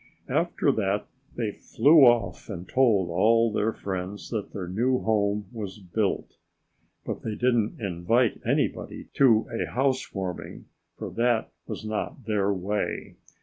After that they flew off and told all their friends that their new home was built. But they didn't invite anybody to a house warming, for that was not their way.